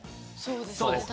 そうですね。